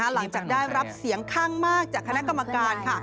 หลังจากได้รับเสียงข้างมากจากคณะกรรมการค่ะ